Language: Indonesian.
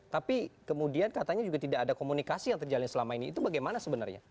tapi kemudian katanya juga tidak ada komunikasi yang terjalin selama ini itu bagaimana sebenarnya